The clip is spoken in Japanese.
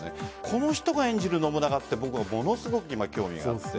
この人が演じる信長ってものすごく興味があって。